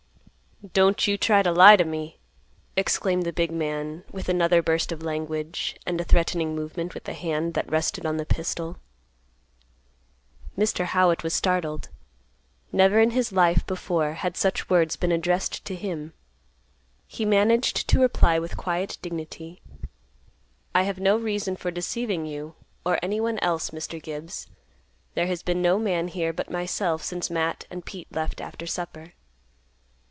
"Don't you try to lie to me!" exclaimed the big man, with another burst of language, and a threatening movement with the hand that rested on the pistol. Mr. Howitt was startled. Never in his life before had such words been addressed to him. He managed to reply with quiet dignity, "I have no reason for deceiving you, or anyone else, Mr. Gibbs. There has been no man here but myself, since Matt and Pete left after supper."